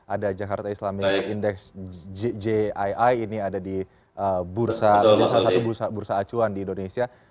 ada jakarta islamic index jii ini ada di salah satu bursa acuan di indonesia